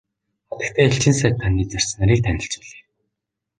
Хатагтай элчин сайд таны зарц нарыг танилцуулъя.